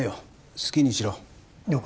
好きにしろ了解